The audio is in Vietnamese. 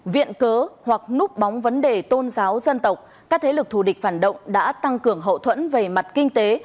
viện cớ hoặc núp bóng vấn đề tôn giáo dân tộc các thế lực thù địch phản động đã tăng cường hậu thuẫn về mặt kinh tế